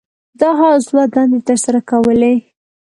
دا حوض دوه دندې تر سره کولې.